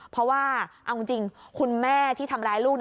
เพราะว่าเอาจริงคุณแม่ที่ทำร้ายลูก